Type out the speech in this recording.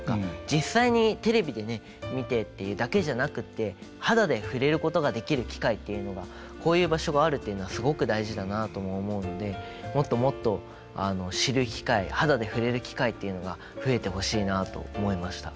実際にテレビでね見てっていうだけじゃなくって肌で触れることができる機会というのがこういう場所があるっていうのはすごく大事だなとも思うのでもっともっと知る機会肌で触れる機会っていうのが増えてほしいなと思いました。